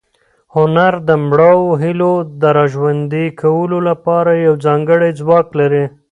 هنر د مړاوو هیلو د راژوندي کولو لپاره یو ځانګړی ځواک لري.